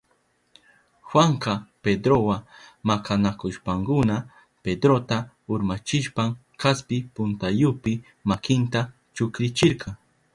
Juanka Pedrowa makanakushpankuna Pedrota urmachishpan kaspi puntayupi makinta chukrichirka.